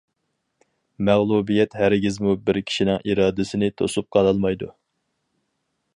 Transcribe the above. مەغلۇبىيەت ھەرگىزمۇ بىر كىشىنىڭ ئىرادىسىنى توسۇپ قالالمايدۇ.